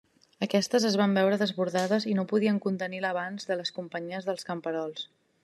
Aquestes es van veure desbordades i no podien contenir l'avanç de les companyies dels camperols.